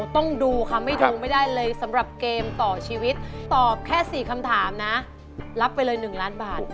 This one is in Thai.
ต้องดูค่ะไม่ดูไม่ได้เลยสำหรับเกมต่อชีวิตตอบแค่๔คำถามนะรับไปเลย๑ล้านบาท